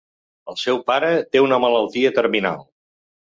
El seu pare té una malaltia terminal.